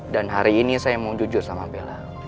dan hari ini saya mau jujur sama bella